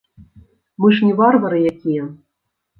Мы ж не варвары якія!